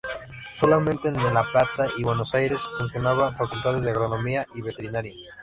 Solamente en La Plata y Buenos Aires, funcionaban Facultades de Agronomía y Veterinaria.